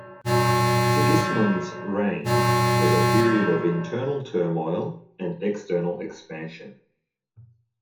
Sigismund's reign was a period of internal turmoil and external expansion.